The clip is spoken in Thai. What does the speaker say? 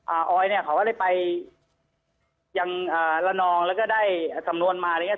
ออยเนี้ยเขาก็ได้ไปยังอ่าละนองแล้วก็ได้สำนวนมาอะไรอย่างเงี้